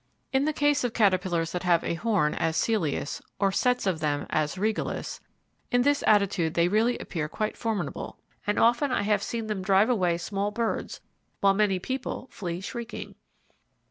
In the case of caterpillars that have a horn, as Celeus, or sets of them as Regalis, in this attitude they really appear quite formidable, and often I have seen them drive away small birds, while many people flee shrieking.